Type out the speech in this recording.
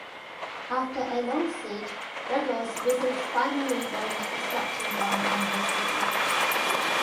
After a long siege, Breggor's wizards finally rained destruction down on the city.